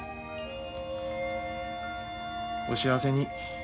お幸せに。